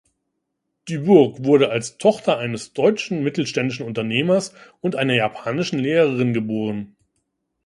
Dubourg wurde als Tochter eines deutschen mittelständischen Unternehmers und einer japanischen Lehrerin geboren.